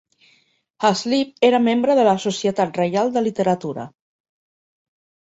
Haslip era membre de la Societat Reial de Literatura.